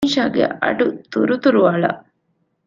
އިންޝާގެ އަޑު ތުރުތުރު އަޅަ